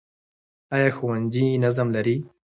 ایا ښوونځي نظم لري؟